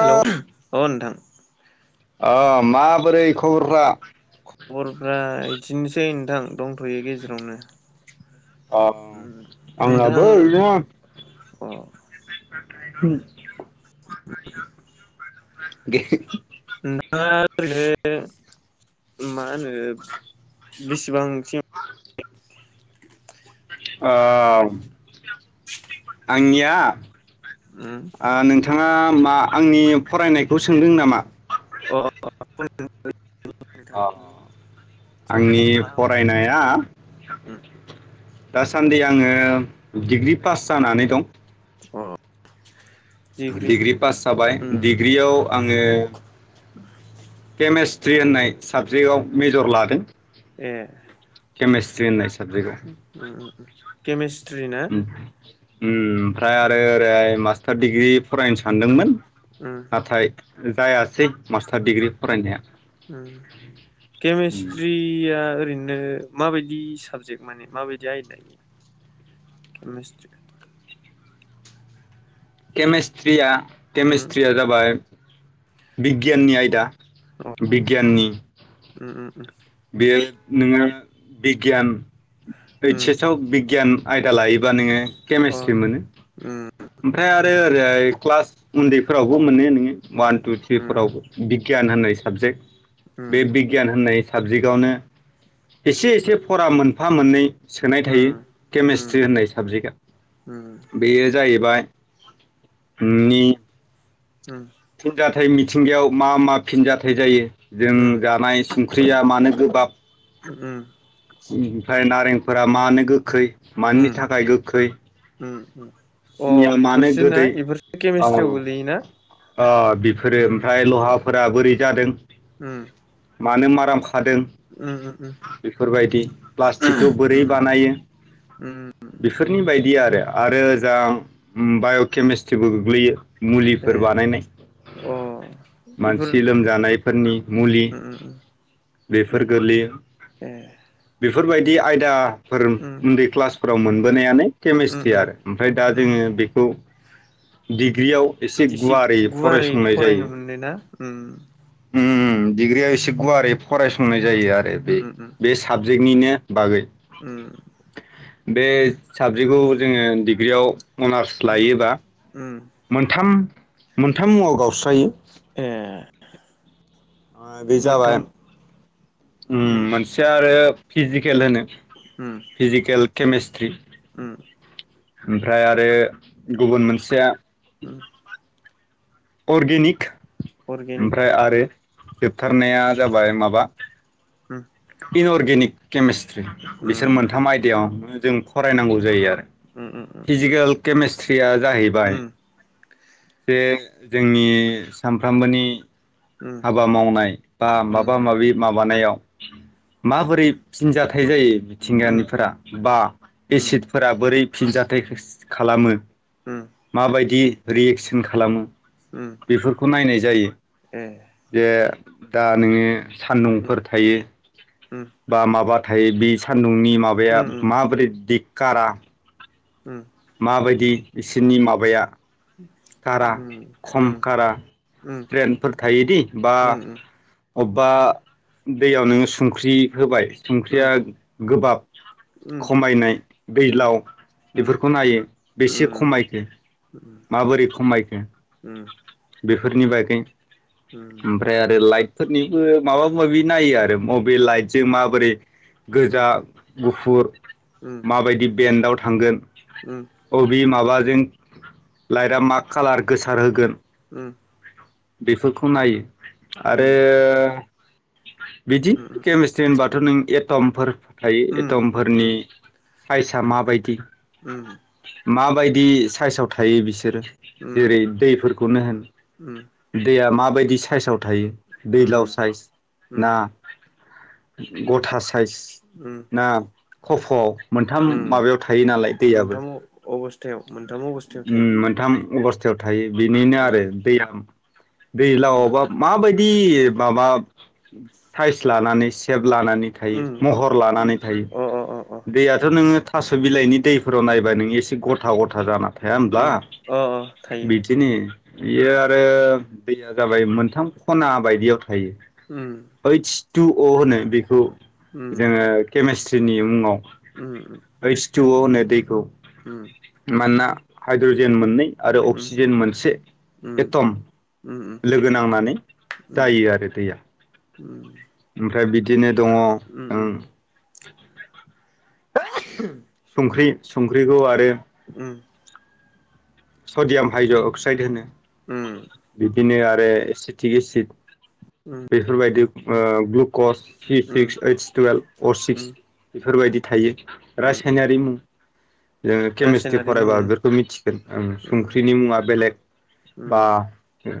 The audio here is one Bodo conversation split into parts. हेल अ नोंथां अ माबोरै खबरफ्रा? खबरफ्रा इदिनोसै नोंथां दंथयो गेजेरावनो अम आंनाबो नोंथां ओरैनो अ [unintelligible] [unintelligible] [unintelligible] [unintelligible] नोंथाङा ओरैनो मा होनो ओ बेसेबांसिम औ आंनिया उम ओ नोंथा ओ मा आंनि फरायनायखौ सोंदों नामा अ अ [unintelligible] अ आंनि जेनेबा मा फरायनाया दासान्दि आङो डिग्रि पास जानानै दं अ डिग्रि पास जाबाय उम डिग्रियाव आं ङो केमेस्ट्रि होननाय साबजेक्टआव मेजर लादों ए केमेस्ट्रि होननाय साबजेक्टआव उम उम उम केमेस्ट्रि ना? ओम ओमफ्राय आरो ओरै मास थार डिग्रि फरायनो सानदोंमोन। उम नाथाय जायासै मास्टार डिग्रि फरायनाया। उम उम केमेस्ट्रिया ओरैनो माबायदि साबजेक्ट माने माबायदि आयदा केमेस्ट्रि? केमेस्ट्रिया उम केमिस्ट्रिया जाबाय बिगियाननि आयदा। अ बिगियाननि उम उम उम। बेयो नोङो बिगियान ओइत उम चेसआव बिगियान आयदा लायोबा नोङो अ केमिस्ट्रि मोनो उम ओमफ्राय आरो ओरै ओमफ्राय क्लास उन्दैफोरावबो मोनो नोङो। वान टु उम थ्रिफोराव बिगियान होननाय साबजेक्ट अ बे बिगियान होननाय साबजेक्टआवनो एसे एसे फरा मोनफा मोननै सोनाय थायो केमेस्ट्रि होननाय साबजेक्टआ बेयो जाहैबाय उम। उम। नाथाय मिथिंगायाव मा मा फिनजाथाइ जायो जों जानाय स ख्रैया मानो गोबाब। उम। ओमफ्राय नारेंफोरा मानो गोखै? मानि थाखाय गोखै सिनिया मानो ना गोदै इफोरसो ओ केमेस्ट्रियाव गोलैयोना? ओ बेफोरो ओमफ्राय लहा फोरा बोरै जादों? उम। मानो मा [inaudible] जादों बेफोरबायदि [inaudible] प्लास्टिकखौ बोरै बानायो बेफोरनि बायद बिदि आरो आरो जा बायकेमिस्ट्रिबो गोग्लैयो। ए मुलिफोर बानायनाय अ इफोर मानसि लोमजानायफोरनि मुलि। बेफोर गोलैयो ए बेफोरबायदि आयदा फोर उन्दै क्लासफोराव मोनो [unintelligible] केमिस्ट्रि आरो ओमफ्राय दा जोङो बेखौ डिग्रियाव एसे गुवारै गुवारै फरायसंनाय फरायनो मोनदो ना ओ ओम दिग्रिया एसे गुवारै फरायसंनाय जायो आरो बे बे साब जोंनिनो उम बे साबजेक्टखौ जोङो डिग्रियाव अनार्स लायोबा मोनथाम मोनथाम मुङाव गावस्रायो ए बे जाबाय मोनथाम होम मोनसे आरो फिजिक्स फिजिकेल केमेषट्रि- ओम ओमफ्राय आरो गुबुन मोनसेया [unintelligible] अर्गेनिक ओमफ्राय अर्गेनिक आरो जोबथारनाया जाबाय माबा [unintelligible] बे अर्गेनिक केमेस्ट्रि बिसोर मोनथाम आयदायाव जों फरायनांगौ जायो आरो मोनथाम फिजिकेल केमेस्ट्रिया जाहैबाय जे जोंनि सानफ्रामबोनि हाबा मावनाय बा माबा माबि माबानायाव [unintelligible] माबोरै फिनजाथाइ जायो मिथिंगानिफोरा बा एसिडफोरा बोरै फिनजाथाय खालामो माबायदि रियेकसन खालामो बेफोरखौ नायनाय जायो ए दा नोङो सान्दुंफोर थायो बा माबा था हायो बे सान दुंनि माबाया माबोरै दि खारा माबायदि बिसोरनि माबाया खारा खम कारा स्रेन्फोर थायोदि बा अब बा दैयाव नोंङो संख्रि होबाय संख्रिया गोबाब खमायनाय दैलाव बेफोरखौ बेखौ नायो बेसे खमायखो माबोरै खमायखो बेख फोरनि बागै ओमफ्राय आरो लाइट फोरनिबो माबा माबि नायो आरो मबल लाइट जों माबोरै गोजा गुफुर माबायदि बेन्डआव थांगोन अऔ बि माबा जों लाइटआ मा कालार गोसार होगोन ओम बेफोरखौ नायो आरो बिदि केमिस्ट्रि होनबाथ' नों एथमफोर थायो एथमफोरनि फाइसा माबायदि उम माबायदि साइसआव थायो बिसोरो जेरै दैफोरखौनो होन दैया माब बायदि साइसाव थायो दैलाव साइज ना गथा साइज ना खफ'आव मोनथाम माबायाव थायो नालाय दैयाबो मोनथाम अ-अबस्थायाव मोनथाम अबस्थायाव थायो मोनथाम अबस्थायाव था थायो बेनिनो उम आरो बेराम दैलावबा माबाय इ माबा साइस लानानै सेब लानानै उम उम थायो महर लानानै थायो अ अ अ अ दैयाथ' नोङो थास' बिलाइनि दै फोराव नायबा नों एसे गथा गथा जाना थाया होमब्ला उम अ थायो बिदिनो बियो आरो दैया जाबाय मोनथाम खना बायदियाव थायो उम ओइस तु अ' होनो। बिखौ जोंङो केमेस्ट्रि दिनै मुङाव उम उम। थु अ' होनो दै औ उम मानना हाइड्रजेन मोननै आरो उम अक्सिजेन मोनसे उम एटम उम उम लोगो नांनानै उम जायो आरो दैया फ्राय बिदिनो दङ उम उम। ओं सुंख्रि सुंख्रिखौ आरो उम सडियाम हाइड्र' अक्साइड होनो। बिदिनो आर ए एसिथिक एसिड उम बेफोरबायदि ओ ग्लुकस। थ्रि उम सिक्स ओइस टुवेल्भ अ' सिक्स उम बेफोरबायदि। थायो। उम रासायनारि मुं ओ केमेस्ट्रि रासायनारि फरायबा मुं [unintelligible] फोरखौ मिथिगोन। ओं उम सुंख्रिनि मुङा बेलेग बा उम ओ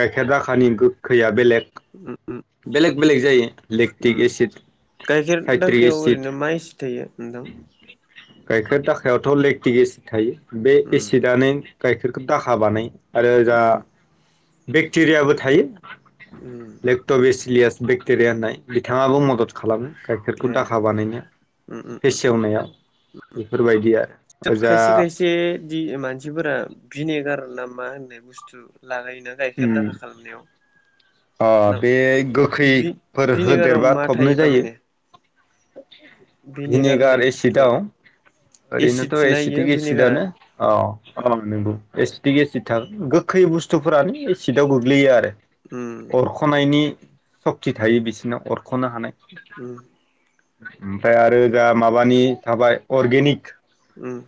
गाइखेर दाखानि गोगखैया बेलेग। उम उम बेलेक बेलेक जायो लेक्टिक उम एसिड गाइखेर साइट्रिक दाखायाव एसिड। ओरैनो मा एसे [unintelligible] गाइखेर दाखायावथ' लेक्टिक एसिड थायो। बे उम एसिडआनो गाइखेरखो दाखा बानाय आरो जा। उम बेक्टेरियाबो थायो। उम लेपट' बे सिलियास। बक्टेरिया होन्नाय। बिथाङाबो मदद खालामो गाइखेरखौ ए दाखा बानायनाया। उम उम उम फेसेवनायाव उम। बेफोरबायदि आरो। ओजा खायसे खायसे दि मानसिफोरा भिनेगार नाम। मा होननाय बुस्थु। लागायोना गाइखेर दाखा खालामनायाव। ओ ना बे गोखैफोर भि-भिनेगाराव होदेरबा मा थबनो थायो जायो। थारमाने होननाय भिनेगार बुस्थुआ एसिडआव ओरैनोथ' एसिडसोना इयो एसिटिक भिनेगारा एसिडनो औ नंगौ। एसिटिक एसिड थागोन गोखै बुस्थुफोरानो एसिडआव गोग्लैयो आरो। उम अरख'नायनि। सक्ति थायो बिसोरना अर। सख'नो हानाय। उम ओमफ्राय आरो जा माबानि थाबाय अर्गेनिक। उम।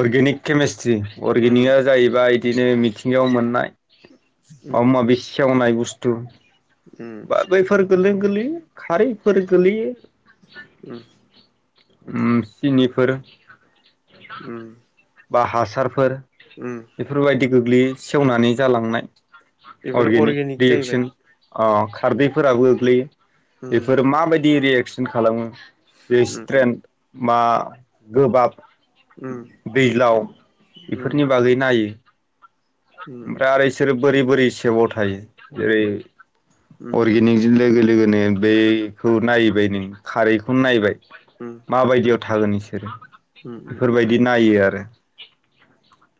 अर्गेनिक केेमेस। थि उम अर्गेनिकआ जाहैबाय। बिदिनो मिथिंगायाव मोननाय। उम। मावंनाय बुस्थु। उम ब बैफोर। गोरलै गोोरलैयो खारैफोर गोलैयो। उम। ओ सिनिफोर। उम। बा हासारफोर उम बेफोरबायदि गोग्लैयो सेवनानै जालांनाय। बेफोर अर्गेनिक जाहैबाय भेकसिन। अ खारदैफोराबो गोग्लैयो। बेफोर उम माबायदि रियेक्स? होन खालामो। बेस उम ट्रेन मा गोबाब उम दैज्लाव उम बेफोरनि बागै नायो। उम ओमफ्राय आरो इसोरो बोरै बोरै गोबाव थायो जेरै उम अर्गेनिकजों [unintelligible] लोगोनो बेखौ नायोबाय नो खारैखौनो नायबाय। उम माबायदियाव थागोन इसोरो उम उम बेफोरबायदि नायो आरो।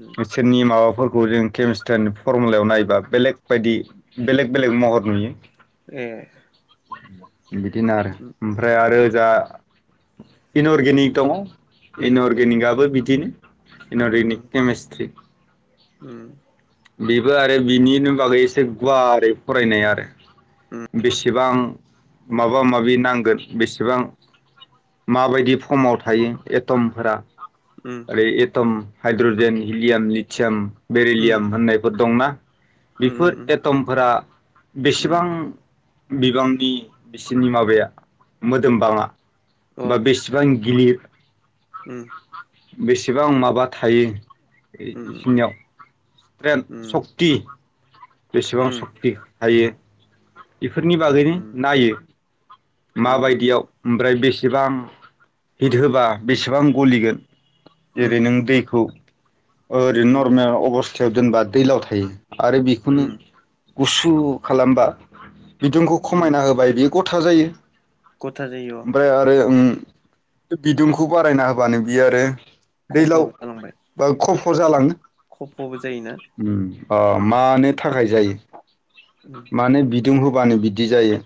उम बिसोरनि माबाफोर खौ जों केमिस्ट्रिनि फरमुलायाव नायबा बेलेग बायदि बेलेग बेलेग महर नुयो। ए बिदिनो आरो उम ओमफ्राय आरो उम जा इन अरगेनिग दङ। इन इनअर्गेनिक अर्गेनिकआबो बिदिनो। उम इन'रगेनिक केमिस्ट्रि। उम। बेबो आरो बिनिनो बागै एसे गुवारै फरायनाय आरो। बेसेबां माबा-माबि नांगोन बेसेबां माबायदि फर्माव थायो एटमफोरा उम आरो एथ'म हाइड्रजेन, हिलियाम, लिथियाम उम बेरेलियाम। फोर दंना? उम बेफोर उम एटमफोरा उम बेसेबां? बिबांनि बिसोरनि माबाया मोदोमबाङा? अ बा बेसेबां? गिलिर। उम बेसेबां माबा थायो इद उम उम इसिनियाव उम सक्ति बेसेबां उम सक्ति हायो बेफोरनि बागैनो उम नायो माबायदियाव उम ओमफ्राय बेसे जेबाम हिट होबा उम बेसेबां गलिगोन जेरै उम नों दैखौ ओरैनो उम नर्मेल अबस खाथियाव दोनबा दैलाव थायो आरो बेखौनो उम गुसु खालामबा बिदुंखौ उम खमायना होबाय बियो गथा जायो। गथा जायो अ ओमफ्राय आरो ओं बिदुंखौ बारायना होबानो बियो आरो खफ' जालांबाय। खरजालाङो। खब ओम अ मानो थाखाय जायो? उम माने बि दुं होबानो बिदि जायो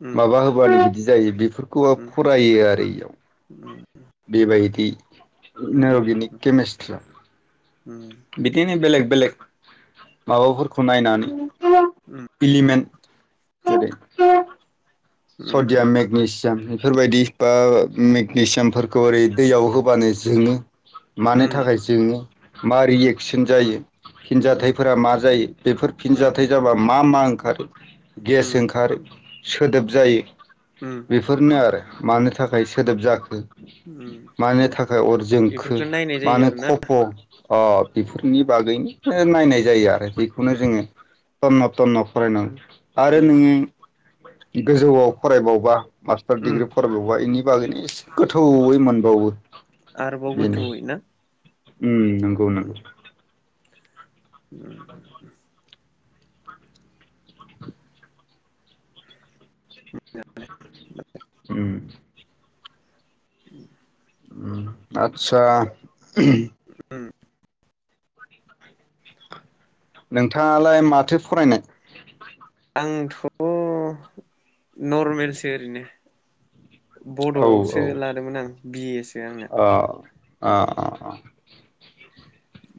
उम माबा होबानो बिदि जायो बेफोरखौ फरायो आरो इयाव। बेबायदि उम नो उम बिनि उम केमेसट्रा उम बिदिनो बेलेग बेलेग माबाफोरखौ नायनानै उम इलिमेन्ट। [unintelligible] उम उम सदियाम मेगनेसियाम बेफोरबायदि बा मेगनेसियामफोरखौ ओरै दैयाव होबानो जोङो मानो थाखाय जोङो मा उम रिएकसन जायो फिनजाथाइफोरा मा जायो बेफोर फिनजाथाइ जाबा मा मा ओंखारो गेस उम उम ओंखारो सोदोब जायो उम बेफोरनो आरो मानो थाखाय सोदोब जाखो? उम मानो थाखाय अर जोंखो इफोरखौ नायनाय जायो मानो आरोना खफ' अ बेफोरनि बागैनो नायनाय जायो आरो बेखौनो उम जोङो थन्न थन्न फरायनां आरो उम नों ओ गोजौआव फरायबावबा मास्टार उम दिडिग्रि फरायबा इनि बागैनो एसे गोथौयै मोनबावो आरोबाव बेनो गोथौवै ना? उम नंगौ नंगौ ओ उम उम आतसा उम नोंथाङालाय माथो फरायनाय? आंथ' नरमेलसो ओरैनो औ औ बड'आवसो लादोंमोन आं बि ए सो आंना अ अ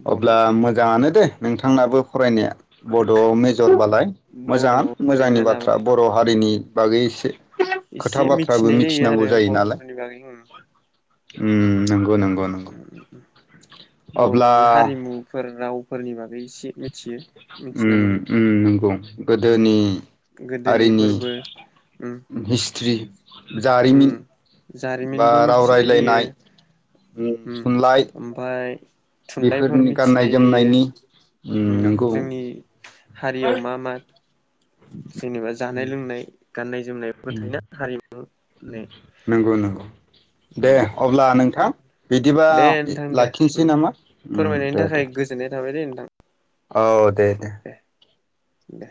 बड' अब्ला मोजाङानो दे नोंथांनाबो फरायनाया बड'आव मेजरबालाय मोजां बड'आव मोजांनि ओरैनो बाथ्रा लाबाय बर' उम हारिनि बागै एसे खोथा एसे बाथ्राबो मिथिनाय मिथिनांगौ आरो जायो नालाय। बर'फोरनि बागै उम उम नंगौ नंगौ नंगौ अ बर'नि हारिमुफोर रावफोरनि नि बागै एसे मिथियो। मिथिना उम मोनो उम नंगौ उम गोदोनि हारिनि गोदोनिफोरबो उम हिस्ट्रि उम जारिमिन बा जारिमिनबो राव मिथिनाय जायो रायलायनाय उम थुनलाइ ओमफाय थुनलाइफोर बेफोरनि गाननाय मिथिनाय जायो जोमनायनि उम नंगौ जोंनि हारियाव उम मा मा [unintelligible] जेनेबा जानाय-लोंनाय गाननाय-जोमनायबो थायोना हारिमुनि नंगौ नंगौ दे उम अब्ला नोंथां बिदिबा दे नोंथां दे लाखिनोसै उम नामा? उम फोरमायनायनि दे दे थाखाय गोजोननाय थाबाय दे नोंथां। औ दे दे। दे-दे